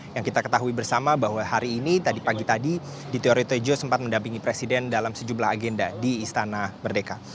yang kita ketahui bersama bahwa hari ini tadi pagi tadi di teori tejo sempat mendampingi presiden dalam sejumlah agenda di istana merdeka